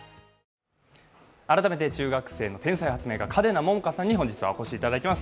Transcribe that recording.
改めて中学生の天才発明家、嘉手納杏果さんに本日はお越しいただいています。